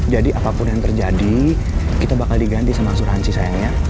jadi apapun yang terjadi kita bakal diganti sama asuransi sayangnya